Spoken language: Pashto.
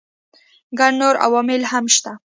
ګڼ نور عوامل هم شته.